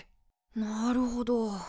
なるほど。